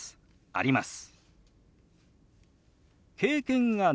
あります。